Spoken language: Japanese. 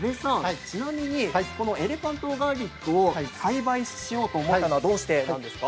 このエレファントガーリックを栽培しようと思ったのはどうしてですか？